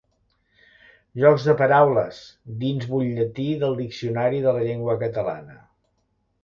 «Jocs de paraules» dins Butlletí del Diccionari de la Llengua Catalana.